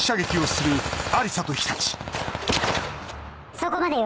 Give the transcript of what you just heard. そこまでよ。